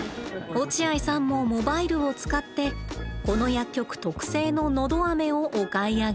落合さんもモバイルを使ってこの薬局特製ののどあめをお買い上げ。